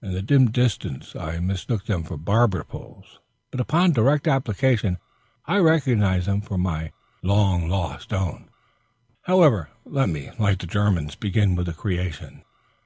In the dim distance I mistook them for barbers' poles, but upon direct application I recognized them for my long lost own. However, let me, like the Germans, begin with the creation.